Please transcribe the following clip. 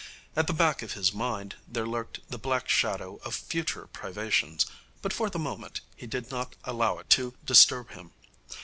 At the back of his mind there lurked the black shadow of future privations, but for the moment he did not allow it to disturb him.